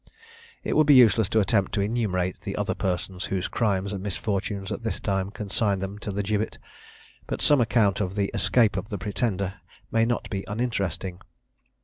It would be useless to attempt to enumerate the other persons whose crimes and misfortunes at this time consigned them to the gibbet; but some account of the escape of the Pretender may not be uninteresting.